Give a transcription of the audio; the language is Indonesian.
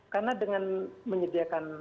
karena dengan menyediakan